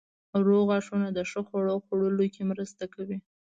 روغ غاښونه د ښه خوړو خوړلو کې مرسته کوي.